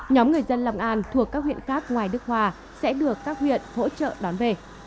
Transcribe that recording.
nhóm người dân long an thuộc các huyện khác ngoài đức hòa sẽ được các huyện hỗ trợ đón về